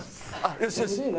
よしよし！